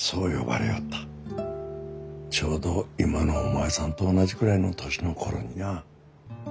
ちょうど今のお前さんと同じくらいの年の頃ににゃ。